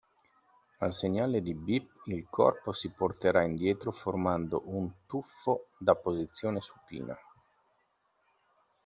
Al segnale di "Beep" il corpo si porterà indietro formando un tuffo da posizione supina.